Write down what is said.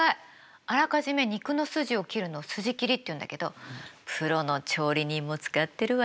あらかじめ肉の筋を切るのを筋切りっていうんだけどプロの調理人も使ってるわよ。